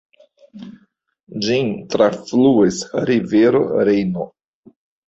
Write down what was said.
Ĝin trafluas rivero Rejno.